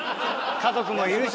家族もいるし。